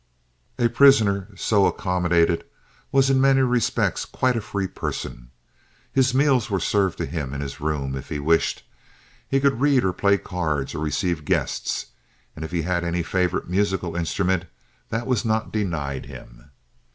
A prisoner so accommodated was in many respects quite a free person. His meals were served to him in his room, if he wished. He could read or play cards, or receive guests; and if he had any favorite musical instrument, that was not denied him.